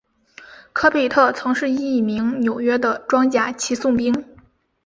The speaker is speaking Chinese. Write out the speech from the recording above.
科贝特曾是一名纽约的装甲骑送兵。